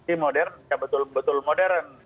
ini modern yang betul betul modern